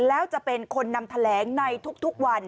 แล้วจะเป็นคนนำแถลงในทุกวัน